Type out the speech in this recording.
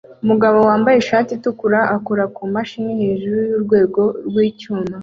Umugabo wambaye ishati itukura akora kuri mashini hejuru yurwego rwicyuma